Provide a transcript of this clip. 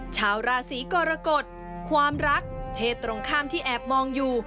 ชาวราศีกรกฎความรักเพศตรงข้ามที่แอบมองอยู่